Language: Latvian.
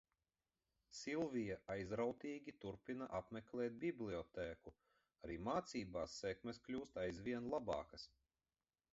Silvija aizrautīgi turpina apmeklēt bibliotēku arī mācībās sekmes kļūst aizvien labākas.